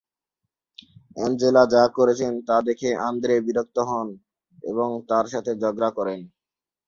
Angela যা করছেন তা দেখে আন্দ্রে বিরক্ত হন এবং তার সাথে ঝগড়া করেন।